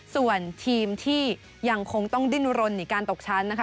ส่วนทีมที่ยังคงต้องดิ้นรนในการตกชั้นนะคะ